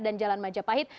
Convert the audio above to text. dan jalan majapahit